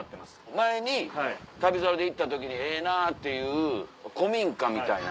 前に『旅猿』で行った時にええなっていう古民家みたいな。